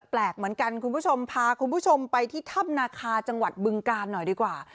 แปลกเหมือนกันคุณผู้ชมพาคุณผู้ชมไปที่ถ้ำนาคาจังหวัดบึงกาลหน่อยดีกว่า